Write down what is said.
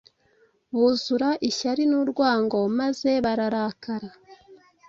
buzura ishyari n’urwango maze bararakara